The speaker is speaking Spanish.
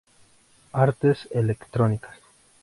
Artes electrónicas.